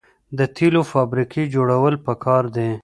د تیلو فابریکې جوړول پکار دي.